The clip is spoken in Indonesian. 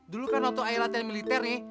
dulu kan waktu air latihan militer nih